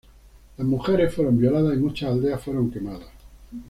Las mujeres fueron violadas y muchas aldeas fueron quemadas.